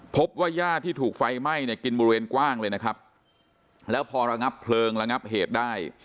พบว่าย่าที่ถูกไฟไหม้เนี่ยกินบริเวณกว้างเลยนะครับแล้วพอระงับเพลิงระงับเหตุได้